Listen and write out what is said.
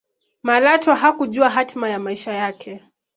malatwa hakujua hatima ya maisha yake